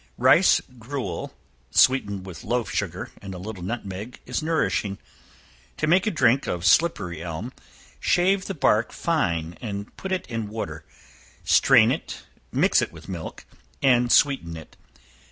Rice gruel, sweetened with loaf sugar, and a little nutmeg, is nourishing. To make a drink of slippery elm, shave the bark fine and put it in water; strain it, mix it with milk, and sweeten it.